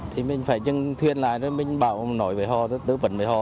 thì mình phải chấp hành thuyền lại rồi mình bảo nói với họ tư vấn với họ